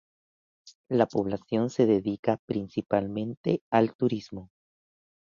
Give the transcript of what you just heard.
La población se dedica principalmente al turismo.